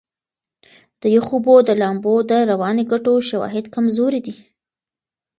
د یخو اوبو د لامبو د رواني ګټو شواهد کمزوري دي.